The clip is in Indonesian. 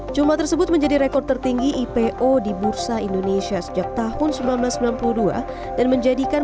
jumlah tersebut menjadi rekor tertinggi ipo di bursa indonesia sejak tahun seribu sembilan ratus sembilan puluh dua dan menjadikan